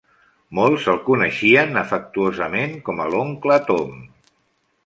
Molts el coneixien afectuosament com a l'oncle Tom.